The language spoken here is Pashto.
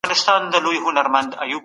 ټولنه د بېلابېلو فکرونو کور دی.